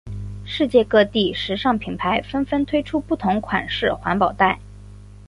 世界各地时尚品牌纷纷推出不同款式环保袋。